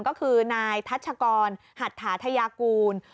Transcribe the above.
ก็คือนายทัชกรหัตถาธยากูล